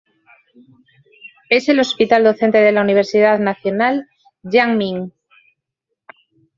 Es el hospital docente de la Universidad Nacional Yang-Ming.